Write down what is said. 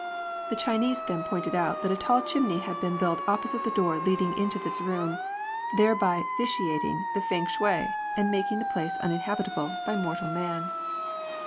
The Chinese then pointed out that a tall chimney had been built opposite the door FENG SHUI. 145 leading into this room, thereby vitiating the Feng shui, and making the place uninhabitable by mortal man.